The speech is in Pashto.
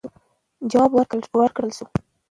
ځواب ورکړل سو.